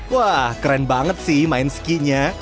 wah keren banget sih main skinya